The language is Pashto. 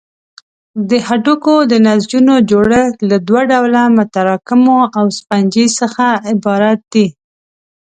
د هډوکو د نسجونو جوړښت له دوه ډوله متراکمو او سفنجي څخه عبارت دی.